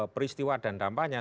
peristiwa dan dampaknya